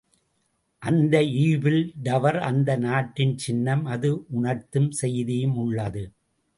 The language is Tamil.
அந்த ஈஃபில் டவர் அந்த நாட்டின் சின்னம் அது உ.ணர்த்தும் செய்தியும் உள்ளது.